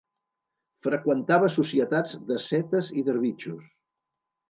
Freqüentava societats d'ascetes i dervixos.